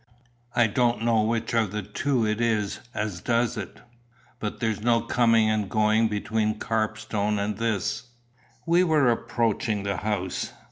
I don't know which of the two it is as does it, but there's no coming and going between Carpstone and this." We were approaching the house.